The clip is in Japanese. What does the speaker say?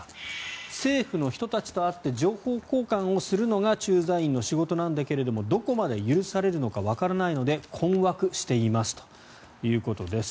政府の人たちと会って情報交換をするのが駐在員の仕事なんだけれどもどこまで許されるのかわからないので困惑していますということです。